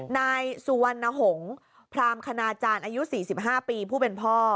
นายสุวรรณหงษ์พรามคณาจารย์อายุ๔๕ปีผู้เป็นพ่อ